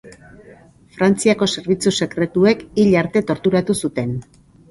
Frantziako zerbitzu sekretuek hil arte torturatu zuten.